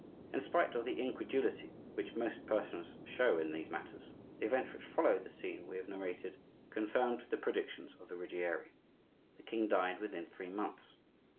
In spite of the incredulity which most persons show in these matters, the events which followed the scene we have narrated confirmed the predictions of the Ruggieri. The king died within three months.